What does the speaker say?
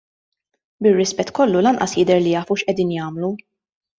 Bir-rispett kollu lanqas jidher li jafu x'qegħdin jagħmlu.